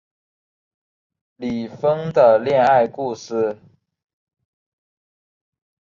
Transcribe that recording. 李锋的恋爱故事